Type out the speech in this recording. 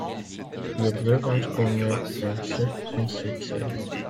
Le breuvage connaît un certain succès.